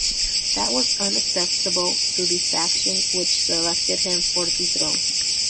That was unacceptable to the faction which selected him for the throne.